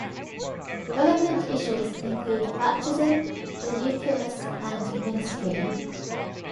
Relevant issues include Baptism, the Eucharist and Ministry.